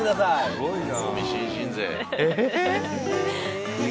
すごいな。